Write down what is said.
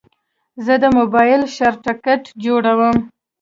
زه د موبایل شارټکټ جوړوم.